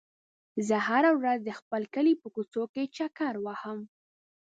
زه هره ورځ د خپل کلي په کوڅو کې چکر وهم.